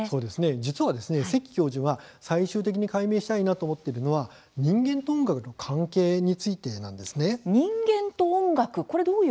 実は関教授が最終的に解明したいなと思っているのは人間と音楽の関係について人間と音楽